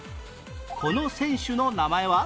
この選手の名前は？